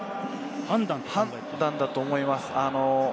判断だと思います。